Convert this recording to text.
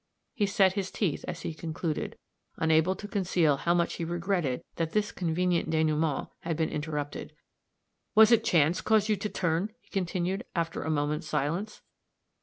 He set his teeth, as he concluded, unable to conceal how much he regretted that this convenient dénouement had been interrupted. "Was it chance caused you to turn?" he continued, after a moment's silence.